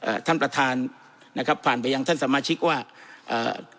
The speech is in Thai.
ท่านประธานนะครับผ่านไปยังท่านสมาชิกว่าเอ่อ